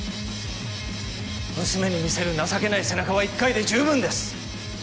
娘に見せる情けない背中は一回で十分です！